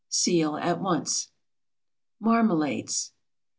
Seal at once. MARMALADES.